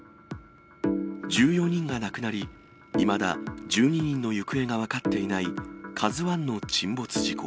１４人が亡くなり、いまだ１２人の行方が分かっていないＫＡＺＵＩの沈没事故。